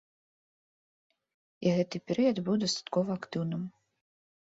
І гэты перыяд быў дастаткова актыўным.